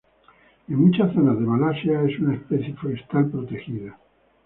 En muchas zonas de Malasia es una especie forestal protegida.